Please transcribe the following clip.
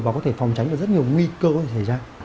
và có thể phòng tránh được rất nhiều nguy cơ có thể xảy ra